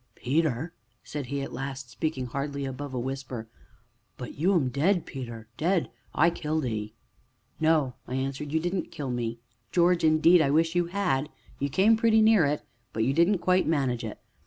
"Peter?" said he at last, speaking hardly above a whisper; "but you 'm dead, Peter, dead I killed 'ee." "No," I answered, "you didn't kill me, George indeed, I wish you had you came pretty near it, but you didn't quite manage it.